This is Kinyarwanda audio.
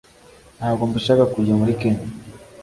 ntabwo mbishaka, kujya muri kenya